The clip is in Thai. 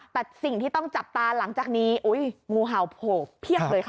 แต่สิ่งที่ต้องจับตาหลังจากนี้งูเห่าโผล่เพียบเลยค่ะ